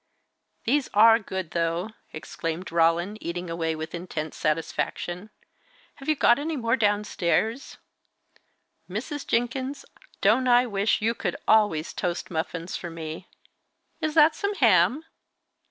"These are good, though!" exclaimed Roland, eating away with intense satisfaction. "Have you got any more downstairs? Mrs. Jenkins, don't I wish you could always toast muffins for me! Is that some ham?"